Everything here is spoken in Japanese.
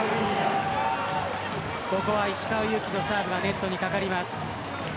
ここは石川祐希のサーブがネットに掛かります。